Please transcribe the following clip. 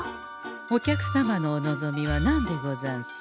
お客様のお望みは何でござんす？